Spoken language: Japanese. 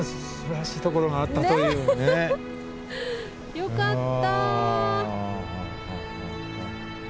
よかった。